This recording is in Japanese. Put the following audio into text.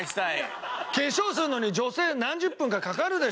化粧するのに女性何十分かかかるでしょ？